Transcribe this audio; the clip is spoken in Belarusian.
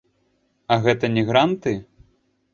А гэта не гранты?